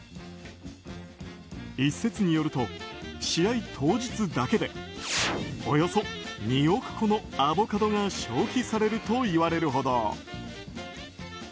一説によると、試合当日だけでおよそ２億個のアボカドが消費されるといわれるほど。